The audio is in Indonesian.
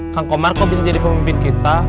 kang komar kok bisa jadi pemimpin kita